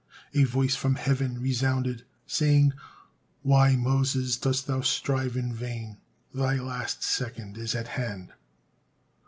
A voice from heaven resounded, saying: "Why, Moses, dost thou strive in vain? Thy last second is at hand."